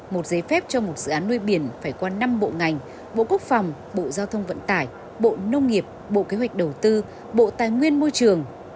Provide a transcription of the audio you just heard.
một giấy phép cho một dự án nuôi biển phải qua năm bộ ngành bộ quốc phòng bộ giao thông vận tải bộ nông nghiệp bộ kế hoạch đầu tư bộ tài nguyên môi trường